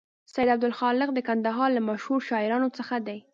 سید عبدالخالق د کندهار له مشهور شاعرانو څخه دی.